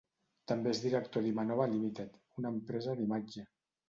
També és director d'Imanova Limited, una empresa d'imatge.